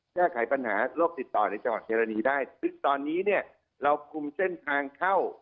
แก้ไขปัญหาโรคติดต่อในจังหวัดเยรณีได้ซึ่งตอนนี้เนี่ยเราคุมเส้นทางเข้า